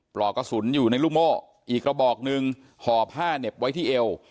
ปลอกกระสุนอยู่ในลูกโม่อีกระบอกหนึ่งห่อผ้าเหน็บไว้ที่เอว